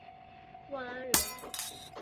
万安人。